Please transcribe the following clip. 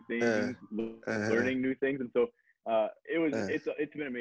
jadi ini sangat luar biasa